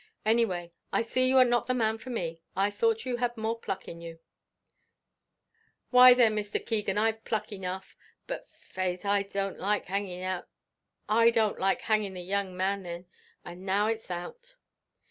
Any way, I see you are not the man for me. I thought you had more pluck in you." "Why thin, Mr. Keegan, I've pluck enough; but faix, I don't like hanging the young man thin and now it's out."